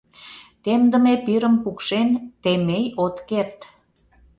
— Темдыме пирым пукшен Темей от керт.